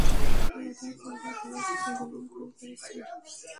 ওকাজ বাজার থেকে কিছু গোলাম ক্রয় করেছি।